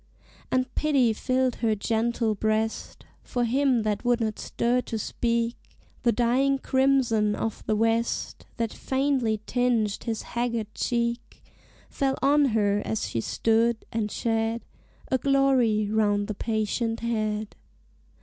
And pity filled her gentle breast For him that would not stir nor speak The dying crimson of the west, That faintly tinged his haggard cheek, Fell on her as she stood, and shed A glory round the patient head.